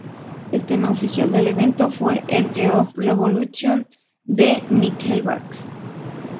El tema oficial del evento fue ""Edge of Revolution"" de Nickelback.